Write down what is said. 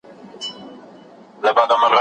آس په پوره هوښیارۍ سره د مرګ کومې ته شا ور واړوله.